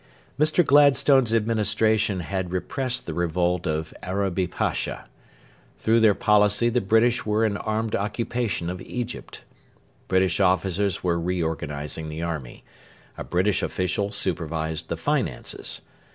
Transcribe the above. Mr. Gladstone's Administration had repressed the revolt of Arabi Pasha. Through their policy the British were in armed occupation of Egypt. British officers were reorganising the army. A British official supervised the finances.